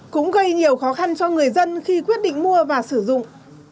cũng gây nhiều khó khăn cho người dân khi quyết định mua và sử dụng